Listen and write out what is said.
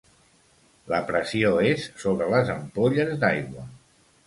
La pressió és sobre les ampolles d'aigua.